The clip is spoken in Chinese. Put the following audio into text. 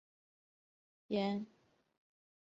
延吉街道党建